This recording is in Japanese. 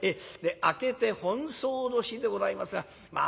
明けて本葬の日でございますがまあ